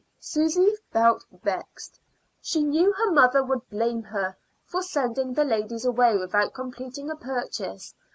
Susy felt vexed; she knew her mother would blame her for sending the ladies away without completing a purchase.